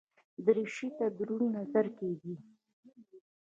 دریشي ته دروند نظر کېږي.